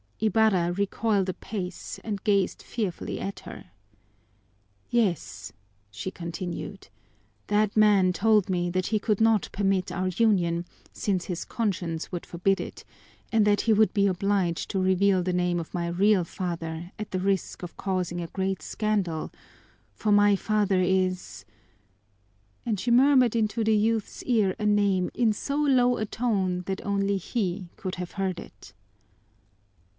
Ibarra recoiled a pace and gazed fearfully at her. "Yes," she continued, "that man told me that he could not permit our union, since his conscience would forbid it, and that he would be obliged to reveal the name of my real father at the risk of causing a great scandal, for my father is " And she murmured into the youth's ear a name in so low a tone that only he could have heard it.